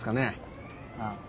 ああ。